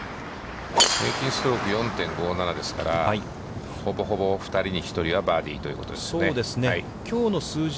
平均ストローク４．５７ですから、ほぼほぼ２人に１人はバーディーということですね。